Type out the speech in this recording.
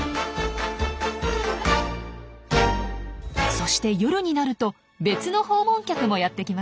そして夜になると別の訪問客もやって来ます。